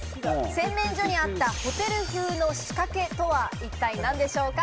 洗面所にあったホテル風の仕掛けとは一体何でしょうか？